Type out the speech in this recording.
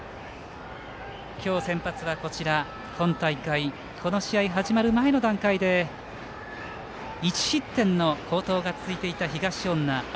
今日、先発は今大会この試合は始まる前の段階で１失点の好投が続いていた東恩納蒼。